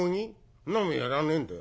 そんなもんやらねえんだ。